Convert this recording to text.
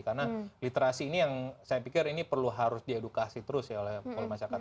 karena literasi ini yang saya pikir ini perlu harus diedukasi terus ya oleh pola masyarakat